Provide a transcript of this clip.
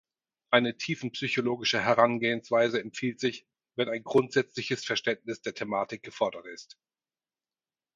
Eine tiefenpsychologische Herangehensweise empfiehlt sich, wenn ein grundsätzliches Verständnis der Thematik gefordert ist.